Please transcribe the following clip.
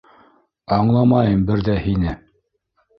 Аңламайым бер ҙә һине.